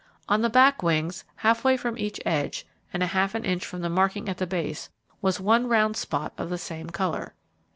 On the back wings, halfway from each edge, and half an inch from the marking at the base, was one round spot of the same colour.